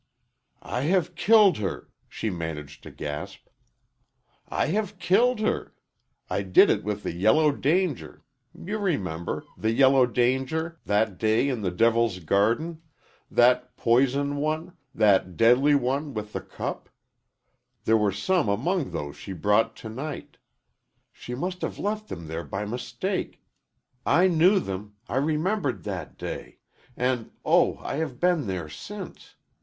"I have killed her!" she managed to gasp. "I have killed her! I did it with the Yellow Danger you remember the Yellow Danger that day in the Devil's Garden that poison one that deadly one with the cup there were some among those she brought to night. She must have left them there by mistake. I knew them I remembered that day and, oh, I have been there since.